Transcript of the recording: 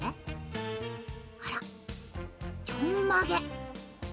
あらちょんまげ。